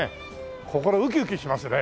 心ウキウキしますね。